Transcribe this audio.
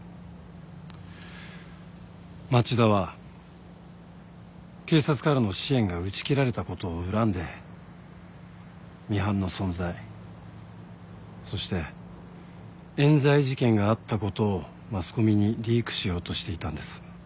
町田は警察からの支援が打ち切られたことを恨んでミハンの存在そして冤罪事件があったことをマスコミにリークしようとしていたんです。